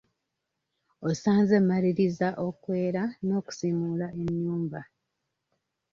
Onsanze mmalirizza okwera n'okusiimuula ennyumba.